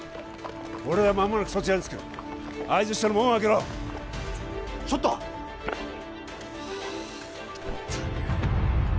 俺らはまもなくそちらに着く合図したら門を開けろちょっちょっと！はあったく！